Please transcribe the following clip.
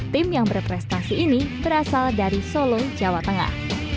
tim yang berprestasi ini berasal dari solo jawa tengah